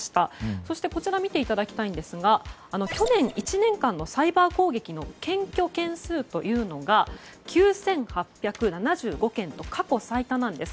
そしてこちらを見ていただきたいんですが去年１年間のサイバー攻撃の検挙件数というのが９８７５件と過去最多なんです。